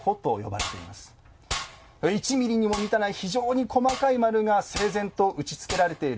１ミリにも満たない非常に細かい丸が整然と打ちつけられている。